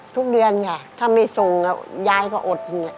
ทุกเดือนค่ะถ้าไม่ส่งยายก็อด